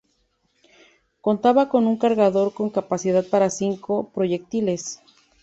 Contaba con un cargador con capacidad para cinco proyectiles.